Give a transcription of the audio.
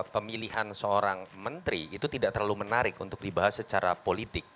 pemilihan seorang menteri itu tidak terlalu menarik untuk dibahas secara politik